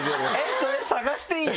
それ探していい？